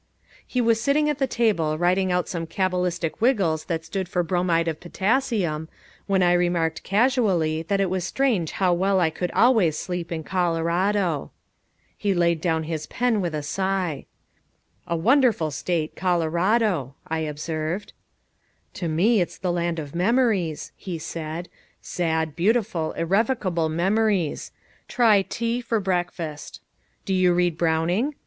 He was sitting at the table, writing out some cabalistic wiggles that stood for bromide of potassium, when I remarked casually that it was strange how well I could always sleep in Colorado. He laid down the pen with a sigh. "A wonderful state Colorado," I observed. "To me it's the land of memories," he said. "Sad, beautiful, irrevocable memories try tea for breakfast do you read Browning?